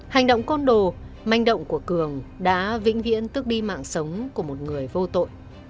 hành động côn đồ manh động của cường đã vĩnh viễn tức đi mạng sống của một người vô tội